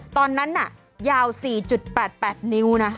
ตอนนั้นน่ะยาว๔๘๘นิ้วนะ